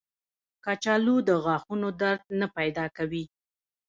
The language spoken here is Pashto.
کچالو د غاښونو درد نه پیدا کوي